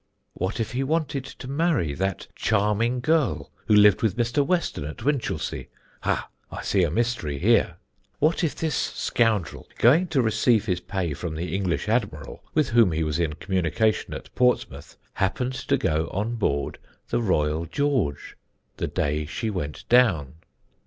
"What if he wanted to marry THAT CHARMING GIRL, who lived with Mr. Weston at Winchelsea? Ha! I see a mystery here. "What if this scoundrel, going to receive his pay from the English Admiral, with whom he was in communication at Portsmouth, happened to go on board the Royal George the day she went down?